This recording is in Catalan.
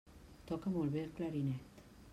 Toca molt bé el clarinet.